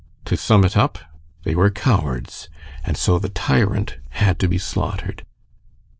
To sum it up, they were cowards, and so the tyrant had to be slaughtered.